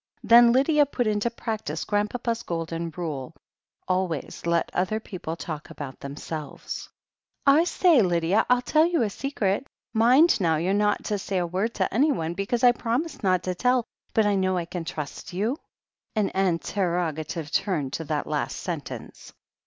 Then Lydia put into practice Grandpapa's Golden Rule: Always let the other people talk about them selves. 38 THE HEEL OF ACHILLES "I say, Lydia, I'll tell you a secret. Mind, now, you're not to say a word to anyone, because I promised not to tell ... but I know I can trust you ?" An interrogative turn to that last sentence.